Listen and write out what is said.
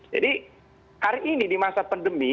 jadi hari ini di masa pandemi